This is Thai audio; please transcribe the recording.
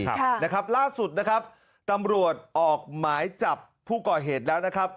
ค่ะนะครับล่าสุดนะครับตำรวจออกหมายจับผู้ก่อเหตุแล้วนะครับ